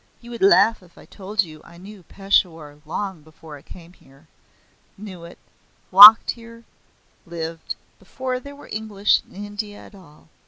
You would laugh if I told you I knew Peshawar long before I came here. Knew it walked here, lived. Before there were English in India at all."